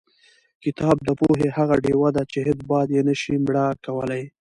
کتاب د پوهې هغه ډیوه ده چې هېڅ باد یې نشي مړ کولی.